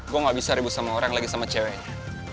gue gak bisa ribut sama orang lagi sama ceweknya